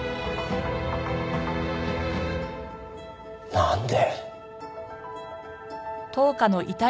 なんで。